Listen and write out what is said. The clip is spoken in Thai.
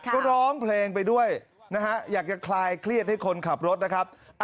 ก็ร้องเพลงไปด้วยนะฮะอยากจะคลายเครียดให้คนขับรถนะครับ